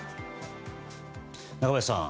中林さん